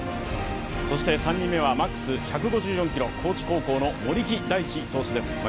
そして３人目はＭＡＸ１５４キロ、高知高校の森木大智投手です。